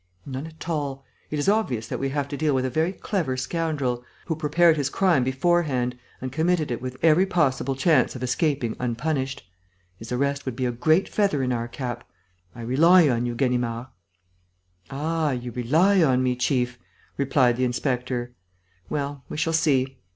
"None at all. It is obvious that we have to deal with a very clever scoundrel, who prepared his crime beforehand and committed it with every possible chance of escaping unpunished. His arrest would be a great feather in our cap. I rely on you, Ganimard." "Ah, you rely on me, chief?" replied the inspector. "Well, we shall see